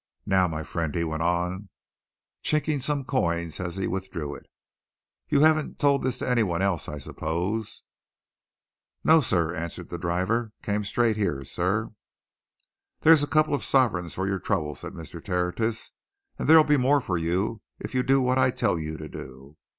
"Now, my friend," he went on, chinking some coins as he withdrew it, "you haven't told this to any one else, I suppose?" "No, sir," answered the driver. "Came straight here, sir." "There's a couple of sovereigns for your trouble," said Mr. Tertius, "and there'll be more for you if you do what I tell you to do.